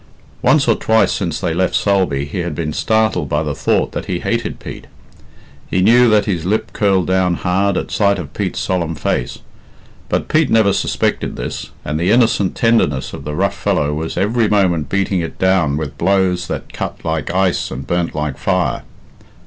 Once or twice since they left Sulby he had been startled by the thought that he hated Pete. He knew that his lip curled down hard at sight of Pete's solemn face. But Pete never suspected this, and the innocent tenderness of the rough fellow was every moment beating it down with blows that cut like ice and burnt like fire.